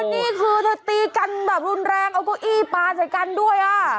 แต่วันนี้คือถ้าตีกันแบบรุนแรงเอาก้นอี้ปลาใส่กันด้วยอ่ะ